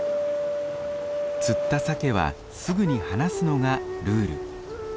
釣ったサケはすぐに放すのがルール。